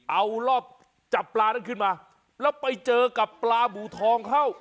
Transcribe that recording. เอารอบจับปลานั้นขึ้นมาแล้วไปเจอกับปลาบูทองเข้า